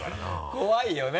怖いよね。